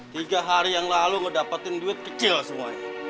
tiga hari yang lalu ngedapetin duit kecil semuanya